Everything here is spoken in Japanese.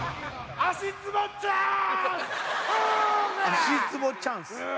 足つぼチャンス！